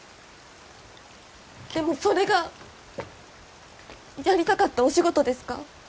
でもそれがやりたかったお仕事ですか？